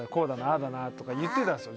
あだなとか言ってたんですよ